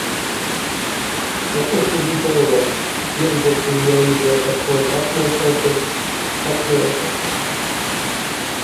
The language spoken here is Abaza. Акъвышыжв йдыруан, йыгӏвзачви йари йыртахъу рзаквымшварыквын, штшацӏнайыргахуаш.